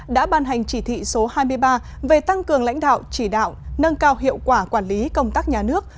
đã ban hành chỉ thị số hai mươi ba về tăng cường lãnh đạo chỉ đạo nâng cao hiệu quả quản lý công tác nhà nước